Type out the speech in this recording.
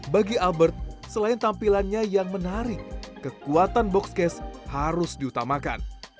bagi albert selain tampilannya yang menarik kekuatan boxcase harus diutamakan